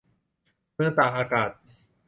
เมืองตากอากาศ